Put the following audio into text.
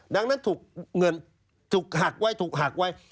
ดังนั้นถูกเงินถูกหักไว้ถูกหักไว้